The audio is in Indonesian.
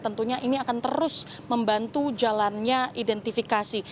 tentunya ini akan terus membantu jalannya identifikasi